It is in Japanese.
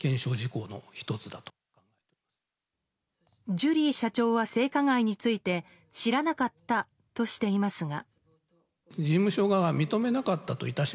ジュリー社長は性加害について知らなかったとしていますが。